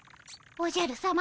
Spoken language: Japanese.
おじゃるさま！